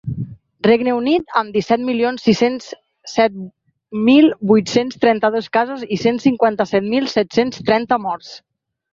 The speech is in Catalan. Regne Unit, amb disset milions sis-cents set mil vuit-cents trenta-dos casos i cent cinquanta-set mil set-cents trenta morts.